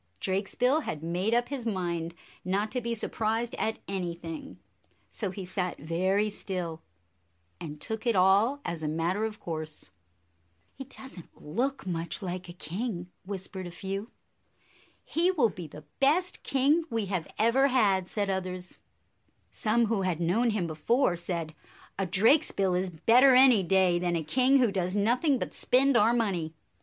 Drakesbill had made up his mind not to be surprised at anything, so he sat very still, and took it all as a matter of course. "He does n't look much like a king," whis pered a few. " He will be the best king we have ever had," said others. Some who had known him before said, "A Drakesbill is better any day than a king who does nothing but spend our money."